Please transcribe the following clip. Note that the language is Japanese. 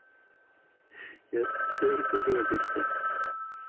やっとやることができた。